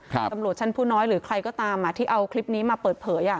ตำรวจชั้นผู้น้อยหรือใครก็ตามที่เอาคลิปนี้มาเปิดเผย